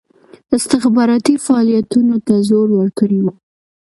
استخباراتي فعالیتونو ته زور ورکړی وو.